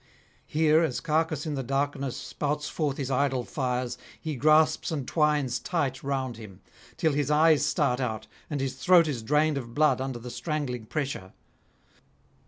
Here, as Cacus in the darkness spouts forth his idle fires, he grasps and twines tight round him, till his eyes start out and his throat [261 295]is drained of blood under the strangling pressure.